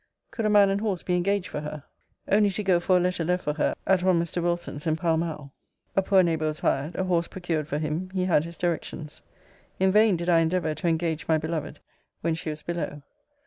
Could a man and horse be engaged for her? Only to go for a letter left for her, at one Mr. Wilson's, in Pall mall. A poor neighbour was hired a horse procured for him he had his directions. In vain did I endeavour to engaged my beloved, when she was below.